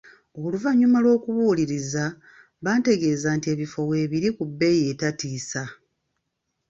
Oluvannyuma lw'okubuuliriza, bantegeeza nti ebifo weebiri ku bbeeyi etatiisa.